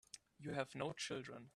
You have no children.